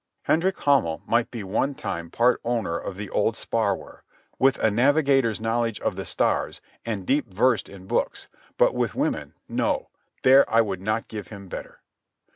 Hendrik Hamel might be one time part owner of the old Sparwehr, with a navigator's knowledge of the stars and deep versed in books, but with women, no, there I would not give him better.